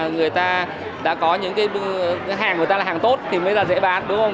người ta đã có những cái hàng người ta là hàng tốt thì mới là dễ bán đúng không